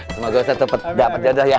semoga ustadz cepet dapat jodoh ya